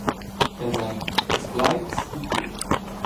Els ein ils plaids dil fiug!